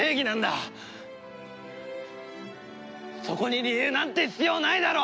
そこに理由なんて必要ないだろ！